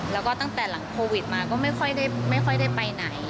แล้วก็ตั้งแต่หลังโควิดมาก็ไม่ค่อยได้ไปไหน